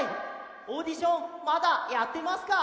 オーディションまだやってますか？